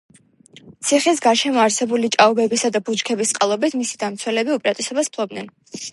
ციხის გარშემო არსებული ჭაობებისა და ბუჩქების წყალობით, მისი დამცველები უპირატესობას ფლობდნენ.